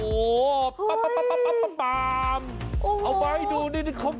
โว้วปั๊บเอาไว้ดูนี่